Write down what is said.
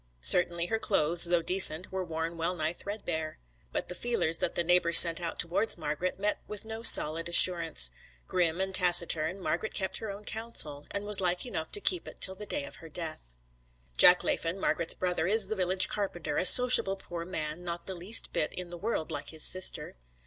Certainly her clothes, though decent, were worn well nigh threadbare. But the feelers that the neighbours sent out towards Margret met with no solid assurance. Grim and taciturn, Margret kept her own counsel, and was like enough to keep it till the day of her death. Jack Laffan, Margret's brother, is the village carpenter, a sociable poor man, not the least bit in the world like his sister.